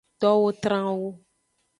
Towo tran wu.